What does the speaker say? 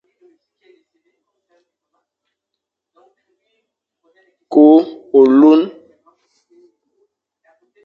Kü ôlun,